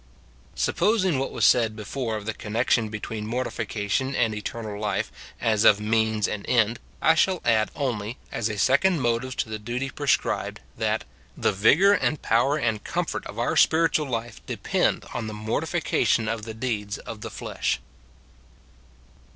Supposing what was said before of the connection between mortification and eternal life, as of means and end, I shall add only, as a second motive to the duty prescribed, that, — Tlie vigour, and power, and comfort of our spiritual life depend on the mortification of the deeds of the flesh.